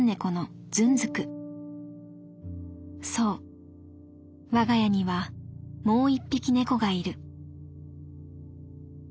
そう我が家にはもう１匹猫がいる」。